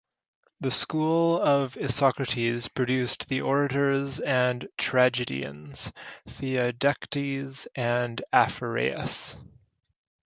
The school of Isocrates produced the orators and tragedians, Theodectes and Aphareus.